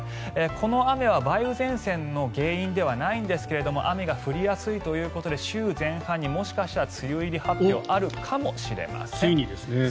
この雨は梅雨前線の原因ではないんですが雨が降りやすいということで週前半にもしかしたら梅雨入り発表あるかもしれません。